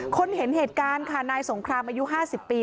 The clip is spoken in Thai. คนเห็นเหตุการณ์ค่ะนายสงครามอายุ๕๐ปี